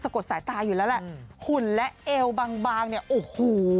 คือกดสายตาอยู่แล้วแหละข่วนและแอวบางเนี่ยโอ้โห